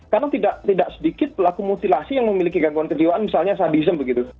karena tidak sedikit pelaku mutilasi yang memiliki gangguan kejiwaan misalnya sadism begitu